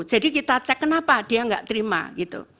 jadi kita cek kenapa dia enggak terima gitu